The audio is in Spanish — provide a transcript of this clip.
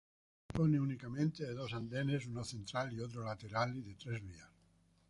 Dispone únicamente de dos andenes, uno central y otro lateral y de tres vías.